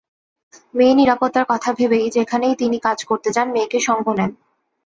মেয়ের নিরাপত্তার কথা ভেবেই যেখানেই তিনি কাজ করতে যান মেয়েকে সঙ্গে নেন।